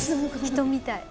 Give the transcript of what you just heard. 人みたい。